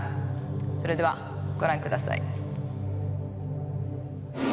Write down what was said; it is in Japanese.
それではご覧ください。